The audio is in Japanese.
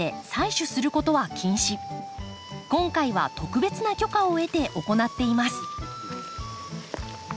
今回は特別な許可を得て行っています。